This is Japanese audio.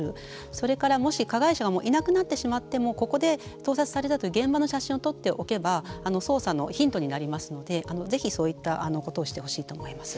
それからもし加害者がいなくなってしまってもここで盗撮されたという現場の写真を撮っておけば捜査のヒントになりますのでぜひ、そういったことをしてほしいと思います。